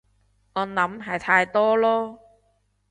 我諗係太多囉